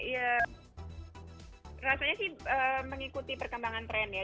ya rasanya sih mengikuti perkembangan tren ya